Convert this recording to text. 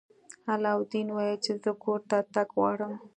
علاوالدین وویل چې زه کور ته تګ غواړم.